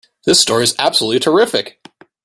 This story is absolutely terrific!